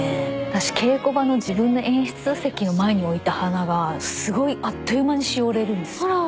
私稽古場の自分の演出席の前に置いた花がすごいあっという間にしおれるんです。